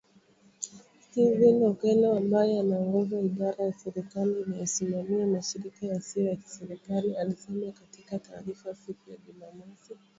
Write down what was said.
Stephen Okello, ambaye anaongoza idara ya serikali inayosimamia mashirika yasiyo ya kiserikali, alisema katika taarifa siku ya Jumamosi